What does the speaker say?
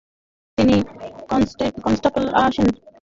তিনি কন্সটান্টিনপল আসেন first regular আর্মিতে যোগ দেন।